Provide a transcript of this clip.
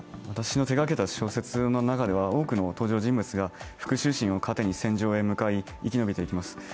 私が手がけた小説の中では多くの登場人物が復しゅう心をかてに戦場を生き延びていきます。